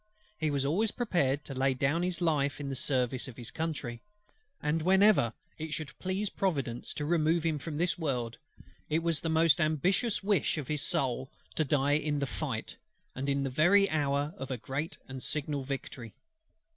He was always prepared to lay down his life in the service of his Country; and whenever it should please Providence to remove him from this world, it was the most ambitious wish of his soul to die in the fight, and in the very hour of a great and signal victory.